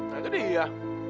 nah itu dia